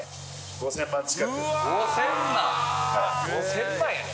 ５０００万やで。